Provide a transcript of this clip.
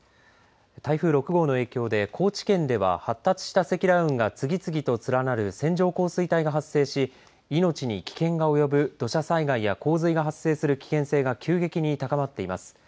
台風６号の影響で高知県では発達した積乱雲が次々と連なる線状降水帯が発生し命に危険が及ぶ土砂災害や洪水が発生する危険性が急激に高まっています。